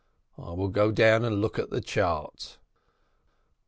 I will go down and look at the chart."